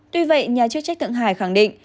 tuy vậy nhà chức trách thượng hải khẳng định